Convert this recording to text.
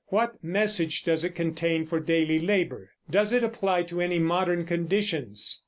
What message does it contain for daily labor? Does it apply to any modern conditions?